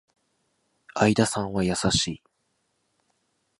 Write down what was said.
相田さんは優しい